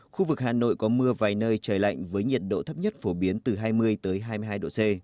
khu vực hà nội có mưa vài nơi trời lạnh với nhiệt độ thấp nhất phổ biến từ hai mươi hai mươi hai độ c